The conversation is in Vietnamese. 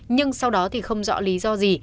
nhưng sau đó thì không rõ lý do gì